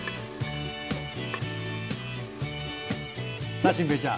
さあ心平ちゃん